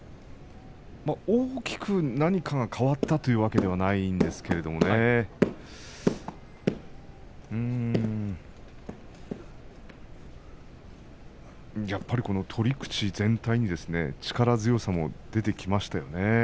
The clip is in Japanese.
まあ大きく何かが変わったというわけではないんですがやっぱり、この取り口全体に力強さが出てきましたね。